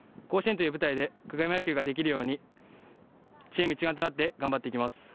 甲子園という舞台で久我山野球ができるようにチーム一丸となって頑張っていきます。